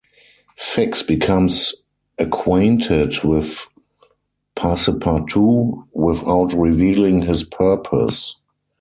Fix becomes acquainted with Passepartout without revealing his purpose.